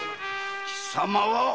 貴様は？